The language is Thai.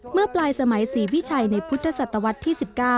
เมื่อปลายสมัยศรีวิชัยในพุทธศตวรรษที่๑๙